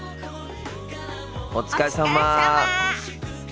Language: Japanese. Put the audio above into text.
お疲れさま。